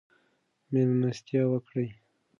مېلمستیا وکړئ.